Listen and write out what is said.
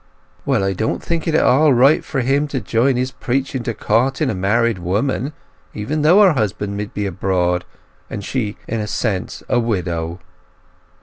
"Well, I don't think it at all right for him to join his preaching to courting a married woman, even though her husband mid be abroad, and she, in a sense, a widow."